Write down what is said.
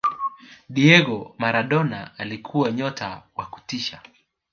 diego maradona alikuwa nyota wa kutisha